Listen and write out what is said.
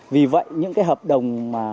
vì vậy những hợp đồng